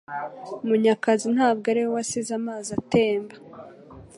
Munyakazi ntabwo ari we wasize amazi atemba